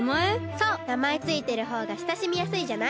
そうなまえついてるほうがしたしみやすいじゃない。